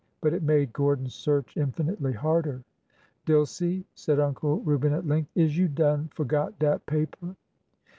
But it made Gordon's search infinitely harder. Dilsey," said Uncle Reuben at length, is you done forgot dat paper